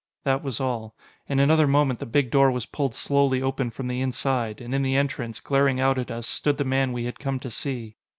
That was all. In another moment the big door was pulled slowly open from the inside, and in the entrance, glaring out at us, stood the man we had come to see.